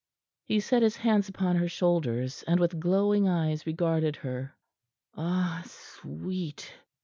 He set his hands upon her shoulders, and with glowing eyes regarded her. "Ah, sweet!"